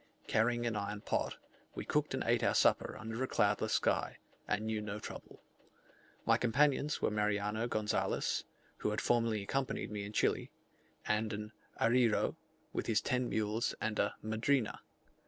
Carrying an iron pot, we cooked and ate our supper under a cloudless sky, and knew no trouble. My companions were Mariano Gonzales, who had formerly accompanied me in Chile, and an "arriero," with his ten mules and a "madrina."